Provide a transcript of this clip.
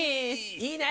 いいね。